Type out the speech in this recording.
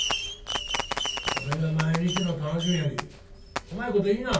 これが毎日の楽しみやきこまいこと言いな。